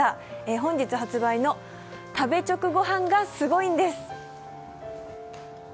本日発売の「＃食べチョクごはん」がすごいんです。